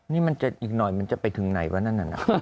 นี่มันจะอีกหน่อยมันจะไปถึงไหนวะนั่นน่ะ